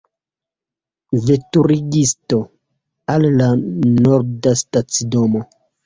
Veturigisto, al la Nordastacidomo!